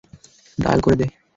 Dial করে দে!